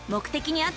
あっ！